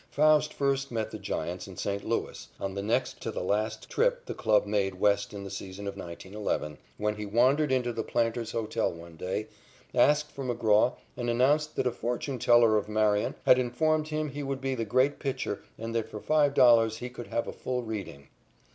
Faust first met the Giants in St. Louis on the next to the last trip the club made West in the season of 1911, when he wandered into the Planter's Hotel one day, asked for McGraw and announced that a fortune teller of Marion had informed him he would be a great pitcher and that for $5 he could have a full reading.